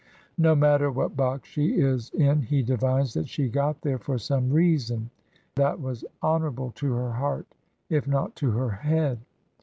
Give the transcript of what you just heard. No matter what box she is in he divines that she got there for some reason that was honorable to her heart if not to her head.